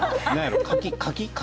柿？